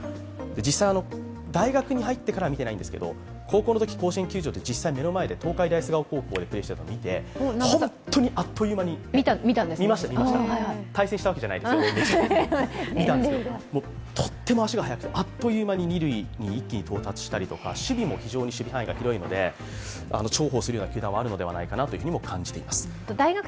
実際、大学に入ってからは見てないんですが、高校時代、目の前で甲子園で東海大菅生高校でプレーしているのを見て、本当にあっという間に対戦したわけじゃないですよ、見たんですけれども、とても足が速くて、あっという間にに二塁に到達したり守備も非常に守備範囲が広いので重宝するような球団はあるんじゃないかなと思います。